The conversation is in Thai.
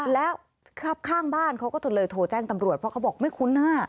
แล้วข้างบ้านเขาก็เลยโทรแจ้งตำรวจเพราะเขาบอกไม่คุ้นหน้า